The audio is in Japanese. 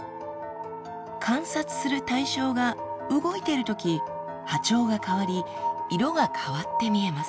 観察する対象が動いてるとき波長が変わり色が変わって見えます。